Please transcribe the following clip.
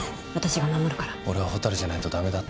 俺は蛍じゃないとだめだって。